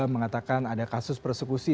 mengatakan ada kasus persekusi